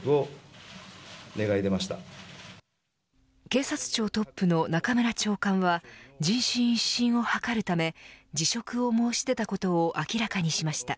警察庁トップの中村長官は人心一新を図るため辞職を申し出たことを明らかにしました。